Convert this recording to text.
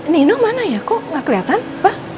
nino mana ya kok gak keliatan apa